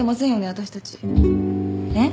私たちえっ？